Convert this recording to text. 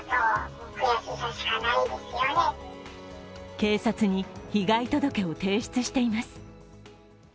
警察に被害届を提出しています。